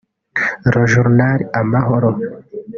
Le Journal Amahoro